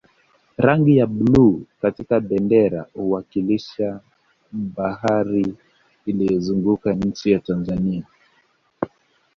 rangi ya bluu katika bendera huwakilisha bahari iliyozunguka nchi ya tanzania